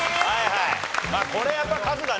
はいはい。